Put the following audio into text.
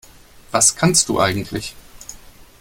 Was kannst du eigentlich?